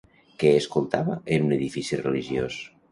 Què s'escoltava en un edifici religiós?